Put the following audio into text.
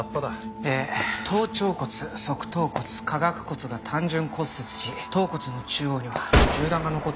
えー頭頂骨側頭骨下顎骨が単純骨折し頭骨の中央には銃弾が残っていました。